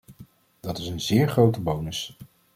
Dat is een zeer grote bonus.